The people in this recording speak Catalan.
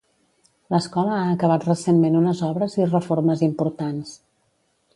L'escola ha acabat recentment unes obres i reformes importants.